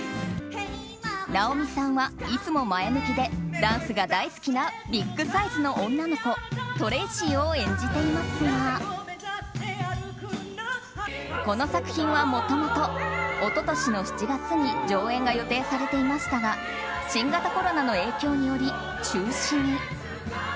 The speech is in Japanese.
直美さんは、いつも前向きでダンスが大好きなビッグサイズの女の子トレイシーを演じていますがこの作品は、もともと一昨年の７月に上演が予定されていましたが新型コロナの影響により中止に。